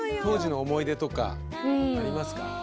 当時の思い出とかありますか？